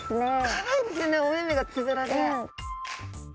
かわいいですよねお目々がつぶらで。